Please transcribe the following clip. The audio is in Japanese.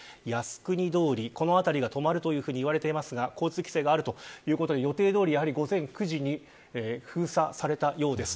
靖国通りこの辺りが止まると言われてますが交通規制があるということで予定どおり、やはり午前９時に封鎖されたようです。